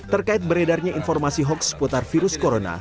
terkait beredarnya informasi hoax seputar virus corona